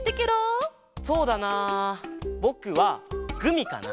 そうだなぼくはグミかな。